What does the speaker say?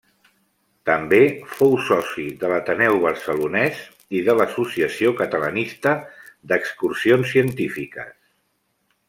També fou soci de l'Ateneu Barcelonès i de l'Associació Catalanista d'Excursions Científiques.